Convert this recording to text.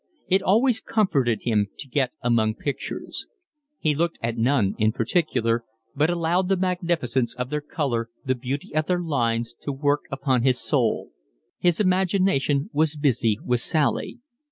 It always comforted him to get among pictures. He looked at none in particular, but allowed the magnificence of their colour, the beauty of their lines, to work upon his soul. His imagination was busy with Sally.